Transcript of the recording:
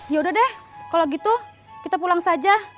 ya udah deh kalau gitu kita pulang saja